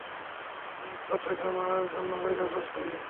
আমি স্মার্ট তাকে মারার জন্য অপেক্ষা করছি।